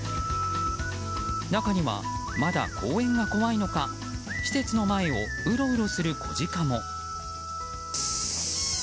中には、まだ公園が怖いのか施設の前をうろうろする子ジカも。